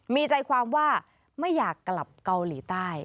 มีใจความว่าไม่อยากกลับเกาหลีใต้